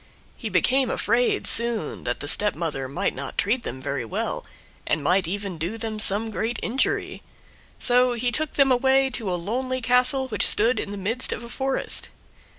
He became afraid, soon, that the stepmother might not treat them very well, and might even do them some great injury, so he took them away to a lonely castle which stood in the midst of a forest.